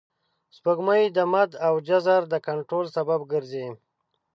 سپوږمۍ د مد او جزر د کنټرول سبب ګرځي